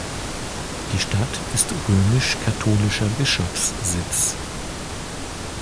Die Stadt ist römisch-katholischer Bischofssitz.